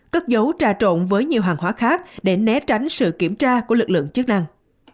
cất dấu trà trộn với nhiều hàng hóa khác để né tránh sự kiểm tra của lực lượng chức năng